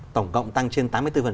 tổng cộng tăng trên tám mươi bốn